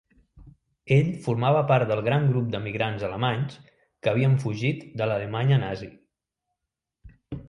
Ell formava part del gran grup d'emigrants alemanys que havien fugit de l'Alemanya Nazi.